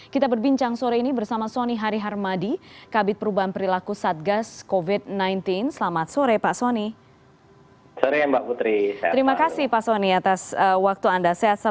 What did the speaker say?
kita berbincang sore ini bersama soni hariharmadi kabit perubahan perilaku satgas covid sembilan belas